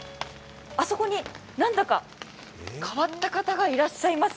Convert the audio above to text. あそこに何だか変わった方がいらっしゃいます。